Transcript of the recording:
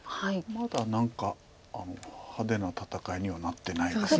まだ何か派手な戦いにはなってないです。